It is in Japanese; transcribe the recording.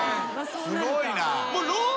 すごいな。